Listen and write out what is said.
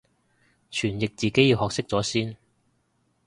傳譯自己要學識咗先